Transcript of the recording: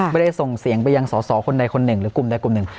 ไม่ได้ส่งเสียงไปยังสอสอคนใดคนหนึ่งหรือกลุ่มใดกลุ่มหนึ่ง